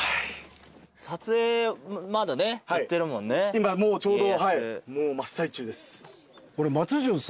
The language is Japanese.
今もうちょうど。